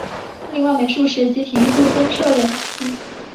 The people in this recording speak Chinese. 另外美术室及体育部增设冷气。